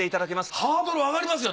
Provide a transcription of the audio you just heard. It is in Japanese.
ハードル上がりますよ！